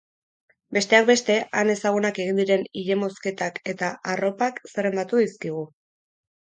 Besteak beste, han ezagunak egin diren ile-mozketak eta arropak zerrendatu dizkigu.